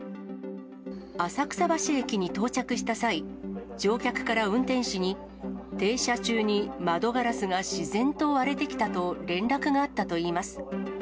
浅草橋駅に到着した際、乗客から運転士に、停車中に窓ガラスが自然と割れてきたと連絡があったといいます。